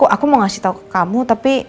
aku mau ngasih tau ke kamu tapi